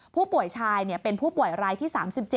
ผู้ป่วยชายเป็นผู้ป่วยรายที่๓๗